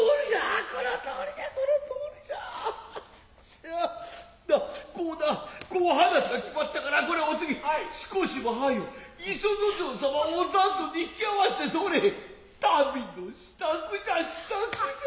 イヤなあこうなこう話が決まったからこれおつぎ少しも早う磯之丞様をお辰どんに引き会わせてそれ旅の仕度じゃ仕度じゃ。